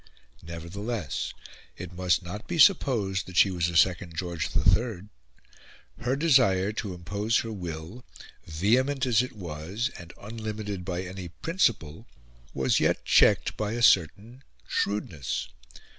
Nevertheless it must not be supposed that she was a second George III. Her desire to impose her will, vehement as it was, and unlimited by any principle, was yet checked by a certain shrewdness.